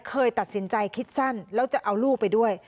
เคยตัดสินใจคิดสั้นแล้วจะเอาลูกไปด้วย